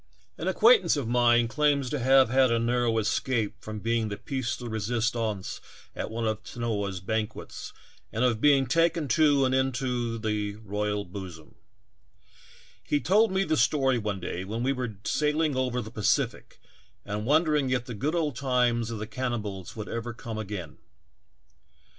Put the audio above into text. An acquaintance of mine claims to have had a narrow escape from being the piece de resistance at one of Tanoa's banquets, and of being taken to and into the royal bosom. He told me the story one day when we were sailing CAPTURED BY CANNIBALS. 51 over the Pacific, and wondering if the good old times of the cannibals would ever come again.